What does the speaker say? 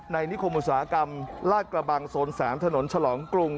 นิคมอุตสาหกรรมลาดกระบังโซน๓ถนนฉลองกรุง